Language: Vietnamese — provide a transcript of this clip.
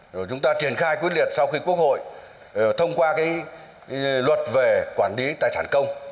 rồi chúng ta triển khai quyết liệt sau khi quốc hội thông qua cái luật về quản lý tài sản công